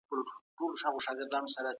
قدرت د حکومت لخوا کنټرول کېږي.